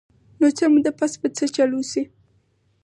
نو څۀ موده پس به څۀ چل اوشي -